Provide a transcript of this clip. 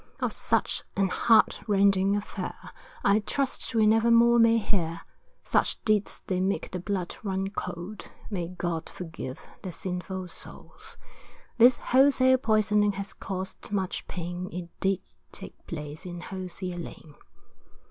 Of such an heartrending affair, I trust we never more may hear, Such deeds they make the blood run cold, May God forgive their sinful souls. This wholesale poisoning has caused much pain It did take place in Hosier Lane.